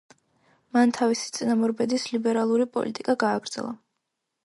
მან თავისი წინამორბედის ლიბერალური პოლიტიკა გააგრძელა.